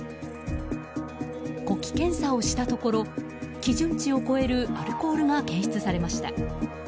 呼気検査をしたところ基準値を超えるアルコールが検出されました。